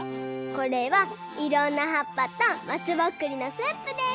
これはいろんなはっぱとまつぼっくりのスープです。